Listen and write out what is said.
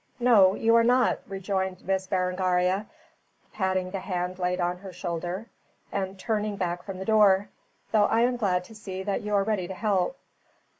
"No, you are not," rejoined Miss Berengaria, patting the hand laid on her shoulder, and turning back from the door. "Though I am glad to see that you are ready to help."